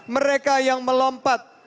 mereka yang melompat